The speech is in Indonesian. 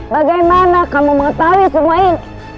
bagaimana kamu mengetahui semua ini